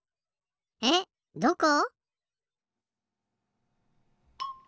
えっどこ？